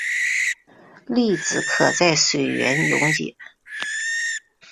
粒子可在水源溶解。